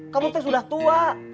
kamu tuh sudah tua